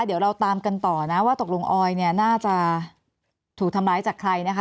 เดี๋ยวเราตามกันต่อนะว่าตกลงออยเนี่ยน่าจะถูกทำร้ายจากใครนะคะ